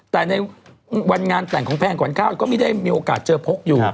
แต่ในวันงานแต่งของแพงก่อนข้าวก็ไม่ได้มีโอกาสเจอพกอยู่